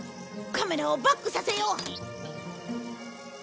カメラをバックさせよう。